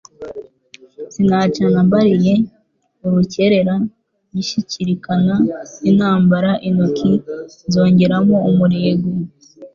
sinacana mbaliye urukerera ngishyikirana n'intambara intoki nzongeramo umurego,